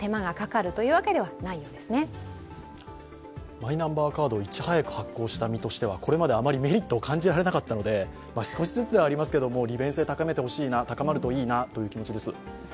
マイナンバーカードをいち早く発行した身としてはこれまであまりメリットを感じられなかったので、少しずつではありますが利便性を高めてほしいな、高まるといいなという気持ちです。